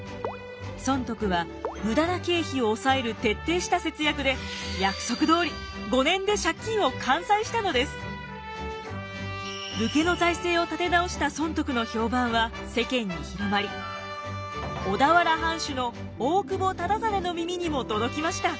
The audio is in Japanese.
尊徳は無駄な経費を抑える徹底した節約で約束どおり武家の財政を立て直した尊徳の評判は世間に広まり小田原藩主の大久保忠真の耳にも届きました。